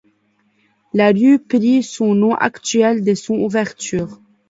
La rue prit son nom actuel dès son ouverture.